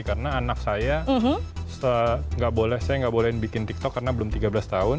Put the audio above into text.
karena anak saya nggak boleh saya nggak boleh bikin tiktok karena belum tiga belas tahun